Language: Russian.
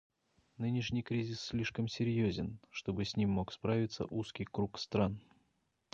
Нынешний кризис слишком серьезен, чтобы с ним мог справиться узкий круг стран.